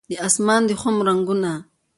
د اسمان د خم رنګونه